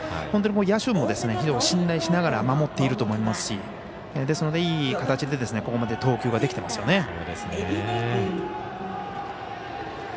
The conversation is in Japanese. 本当に野手も信頼しながら守っていると思いますしいい形でここまで投球できていますよね。